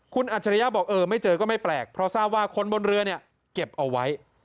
คุณอัจฉริยะบอกเออไม่เจอก็ไม่แปลกเพราะทราบว่าคนบนเรือเนี่ยเก็บเอาไว้